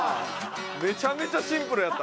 めちゃめちゃシンプルやった。